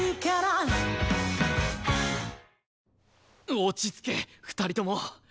落ち着け２人とも。